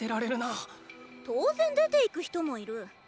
当然出て行く人もいる。